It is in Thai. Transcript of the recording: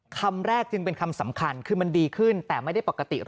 คำแรกจึงเป็นคำสำคัญคือมันดีขึ้นแต่ไม่ได้ปกติ